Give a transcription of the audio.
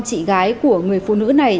chị gái của người phụ nữ này